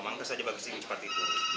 amankan saja bagasi ini cepat itu